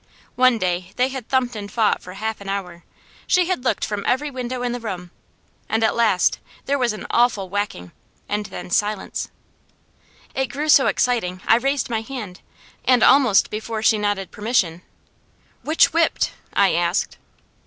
One day they had thumped and fought for half an hour; she had looked from every window in the room, and at last there was an awful whacking, and then silence. It grew so exciting I raised my hand, and almost before she nodded permission, "Which whipped?" I asked.